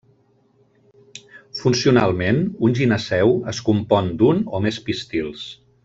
Funcionalment, un gineceu es compon d'un o més pistils.